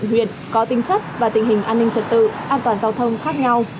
nguyện có tinh chất và tình hình an ninh trật tự an toàn giao thông khác nhau